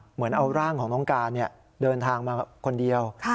เหมือนเอาร่างของน้องการเดินทางมาคนเดียว